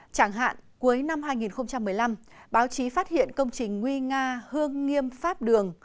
chẳng hạn cuối năm hai nghìn một mươi năm báo chí phát hiện công trình nguy nga hương nghiêm pháp đường